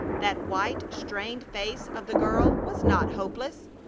That white, strained face of the girl was not hopeless.